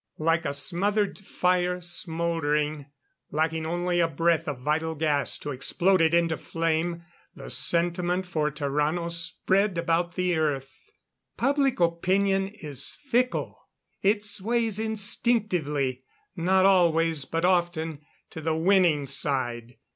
Like a smothered fire smouldering, lacking only a breath of vital gas to explode it into flame, the sentiment for Tarrano spread about the Earth. Public opinion is fickle. It sways instinctively not always, but often to the winning side.